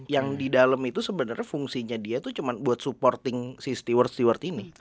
yang di dalam itu sebenarnya fungsinya dia itu cuma buat supporting si steward steward ini